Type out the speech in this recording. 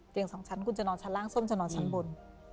สองชั้นคุณจะนอนชั้นล่างส้มจะนอนชั้นบน